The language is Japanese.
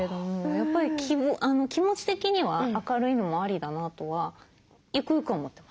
やっぱり気持ち的には明るいのもありだなとはゆくゆくは思ってます。